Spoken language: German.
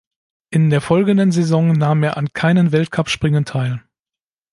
In der folgenden Saison nahm er an keinen Weltcup-Springen teil.